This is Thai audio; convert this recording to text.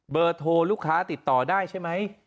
เบอร์โทรลูกค้าติดต่อได้ใช่ไหม